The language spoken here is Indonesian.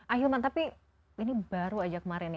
ah ilman tapi ini baru aja kemarin ya